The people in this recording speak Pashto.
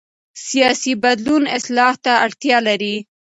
سیاسي بدلون اصلاح ته اړتیا لري